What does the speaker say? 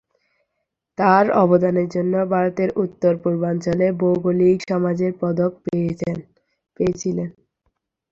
তাঁর অবদানের জন্য ভারতের উত্তর-পূর্বাঞ্চলের ভৌগোলিক সমাজে পদক পেয়েছিলেন।